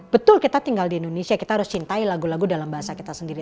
betul kita tinggal di indonesia kita harus cintai lagu lagu dalam bahasa kita sendiri